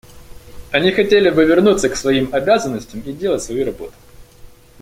Они хотели бы вернуться к своим обязанностям и делать свою работу.